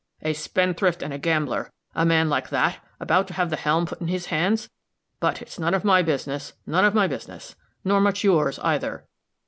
"A spendthrift and a gambler a man like that about to have the helm put in his hands! But it's none of my business none of my business; nor much yours, either."